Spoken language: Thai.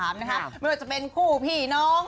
ไม่ว่าจะเป็นคู่พี่น้อง